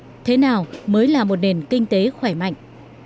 đã đặt câu hỏi thế nào mới là một nền kinh tế khỏe mạnh